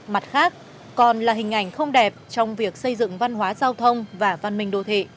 mặt khác còn là hình ảnh không đẹp trong việc xây dựng văn hóa giao thông và văn minh đô thị